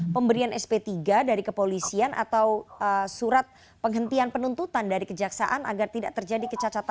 pemberian sp tiga dari kepolisian atau surat penghentian penuntutan dari kejaksaan agar tidak terjadi kecacatan